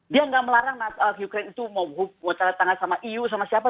dia nggak melarang ukraine itu mau tanda tangan sama eu sama siapa